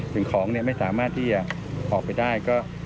ถึงของไม่สามารถที่จะออกไปได้